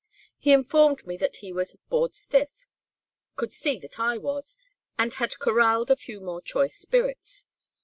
He informed me that he was 'bored stiff,' could see that I was, and had 'coralled' a few more choice spirits.